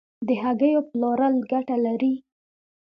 د هګیو پلورل ګټه لري؟